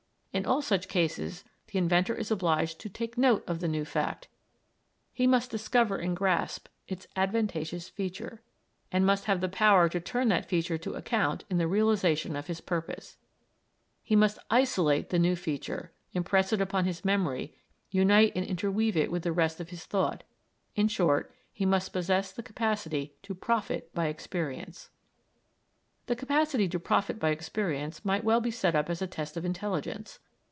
In all such cases, the inventor is obliged to take note of the new fact, he must discover and grasp its advantageous feature, and must have the power to turn that feature to account in the realisation of his purpose. He must isolate the new feature, impress it upon his memory, unite and interweave it with the rest of his thought; in short, he must possess the capacity to profit by experience. The capacity to profit by experience might well be set up as a test of intelligence.